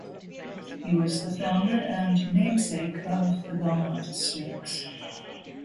He was the founder and namesake of the Belmont Stakes.